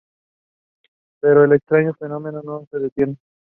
Pero el extraño fenómeno no se detiene.